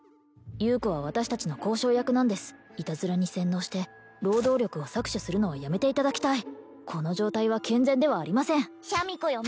優子は私達の交渉役なんですいたずらに洗脳して労働力を搾取するのはやめていただきたいこの状態は健全ではありませんシャミ子よ